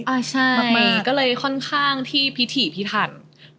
ใช่ก็เลยค่อนข้างที่พิถีพิถัน